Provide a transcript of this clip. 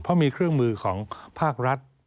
เพราะมีเครื่องมือของภาครัฐ